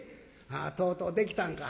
「あとうとうできたんか。